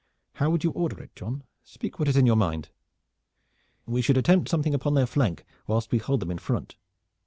"How would you order it, John? Speak what is in your mind." "We should attempt something upon their flank whilst we hold them in front.